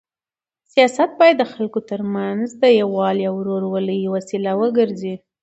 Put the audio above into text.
سیاست باید د خلکو تر منځ د یووالي او ورورولۍ وسیله وګرځي.